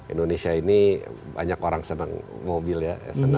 indonesia ini banyak orang senang mobil ya